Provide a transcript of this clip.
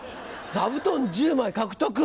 座布団１０枚獲得？